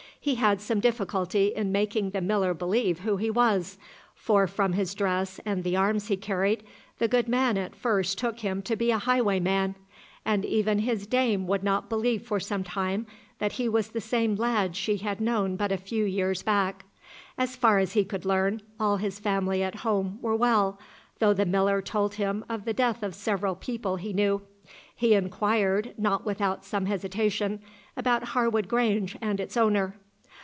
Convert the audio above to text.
He had some difficulty in making the miller believe who he was, for from his dress and the arms he carried, the good man at first took him to be a highwayman, and even his dame would not believe for some time that he was the same lad she had known but a few years back. As far as he could learn, all his family at home were well, though the miller told him of the death of several people he knew. He inquired, not without some hesitation, about Harwood Grange and its owner.